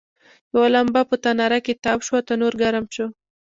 یوه لمبه په تناره کې تاوه شوه، تنور ګرم شو.